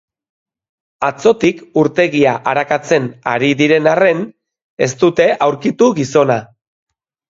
Atzotik urtegia arakatzen ari diren arren, ez dute aurkitu gizona.